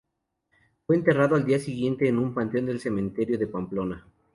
Fue enterrado al día siguiente en un panteón del Cementerio de Pamplona.